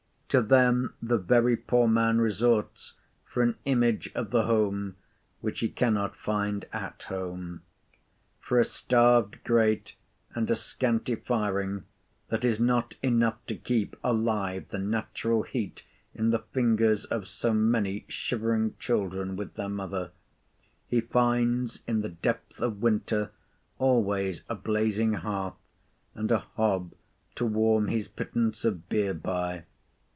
To them the very poor man resorts for an image of the home, which he cannot find at home. For a starved grate, and a scanty firing, that is not enough to keep alive the natural heat in the fingers of so many shivering children with their mother, he finds in the depth of winter always a blazing hearth, and a hob to warm his pittance of beer by.